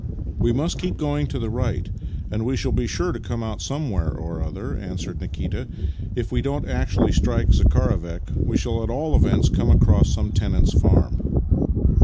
"" We must keep on going to the right, and we shall be sure to come out somewhere or other," answered Nikita. " If we don't actually strike Zakharovek we shall at all events come across some tenant's farm."